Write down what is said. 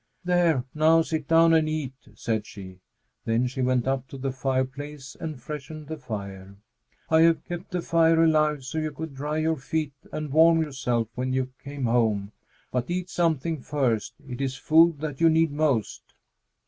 "There! Now sit down and eat," said she. Then she went up to the fireplace and freshened the fire. "I have kept the fire alive, so you could dry your feet and warm yourself when you came home. But eat something first! It is food that you need most."